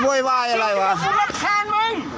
ก็จะรับคลานมึง